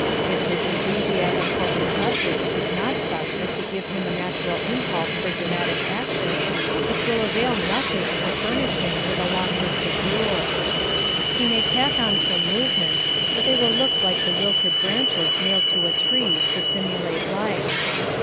If his enthusiasm for his subject is not such as to give him a natural impulse for dramatic action, it will avail nothing to furnish him with a long list of rules. He may tack on some movements, but they will look like the wilted branches nailed to a tree to simulate life.